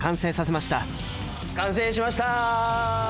完成しました！